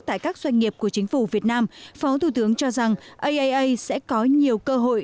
tại các doanh nghiệp của chính phủ việt nam phó thủ tướng cho rằng aaa sẽ có nhiều cơ hội